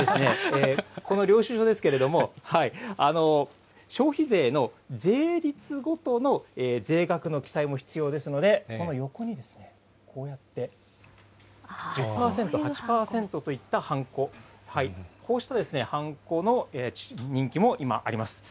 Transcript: この領収書ですけれども、消費税の税率ごとの税額の記載も必要ですので、この横にですね、こうやって１０％、８％といったハンコ、こうしたハンコの人気も今、あります。